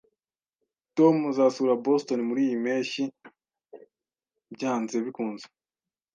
Tom azasura Boston muriyi mpeshyi byanze bikunze